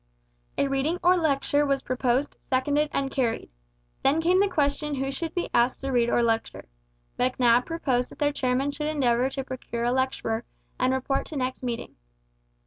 A reading or a lecture was proposed, seconded, and carried. Then came the question who should be asked to read or lecture. Macnab proposed that their chairman should endeavour to procure a lecturer, and report to next meeting.